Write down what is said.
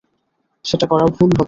সেটা করা ভুল হবে।